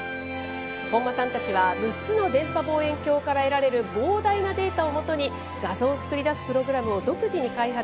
本間さんたちは６つの電波望遠鏡から得られる膨大なデータを基に、画像を作り出すプログラムを独自に開発。